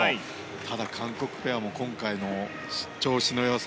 ただ、韓国ペアの今回の調子の良さ